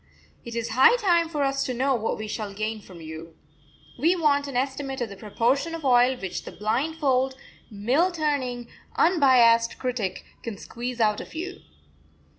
It is high time for us to know what we shall gain from you. We want an estimate of the proportion of oil which the blindfold, mill turning, unbiased critic can squeeze out of you."